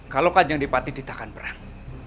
kalau kanjeng adipati tidak akan berang